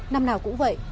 năm nào cũng vậy